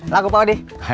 laku pak odi